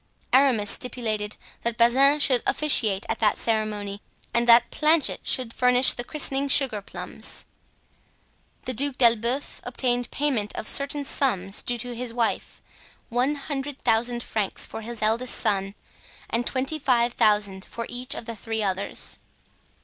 Aramis stipulated that Bazin should officiate at that ceremony and that Planchet should furnish the christening sugar plums. The Duc d'Elbeuf obtained payment of certain sums due to his wife, one hundred thousand francs for his eldest son and twenty five thousand for each of the three others.